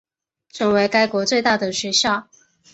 成为该国最大的学校。